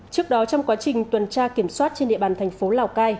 trước đó trong quá trình tuần tra kiểm soát trên địa bàn thành phố lào cai